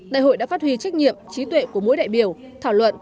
đại hội đã phát huy trách nhiệm trí tuệ của mỗi đại biểu thảo luận